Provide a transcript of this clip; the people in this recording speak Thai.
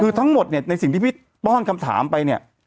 คือทั้งหมดเนี่ยในสิ่งที่พี่ป้อนคำถามไปเนี่ย